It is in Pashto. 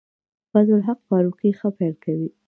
فضل الحق فاروقي ښه پیل کوي.